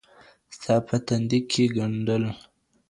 ستا په تندي كي ګنډل